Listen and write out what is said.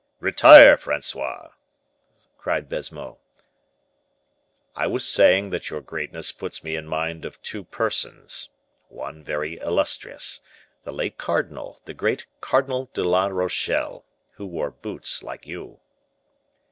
"Retire, Francois," cried Baisemeaux. "I was saying that your greatness puts me in mind of two persons; one very illustrious, the late cardinal, the great Cardinal de la Rochelle, who wore boots like you."